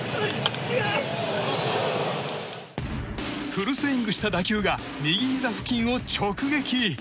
フルスイングした打球が右ひざ付近を直撃。